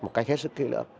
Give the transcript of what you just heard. một cách hết sức kỹ lưỡng